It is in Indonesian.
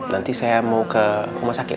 nanti saya mau ke rumah sakit